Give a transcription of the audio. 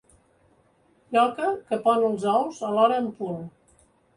Lloca que pon els ous a l'hora en punt.